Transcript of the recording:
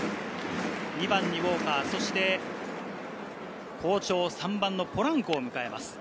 ２番にウォーカー、好調３番のポランコを迎えます。